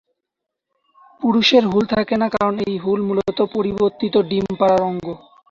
পুরুষের হুল থাকে না কারণ এই হুল মূলত পরিবর্তিত ডিম পাড়ার অঙ্গ।